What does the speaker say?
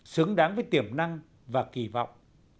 xứng đáng với tiềm năng và kỳ vọng